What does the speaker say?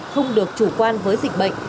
không được chủ quan với dịch bệnh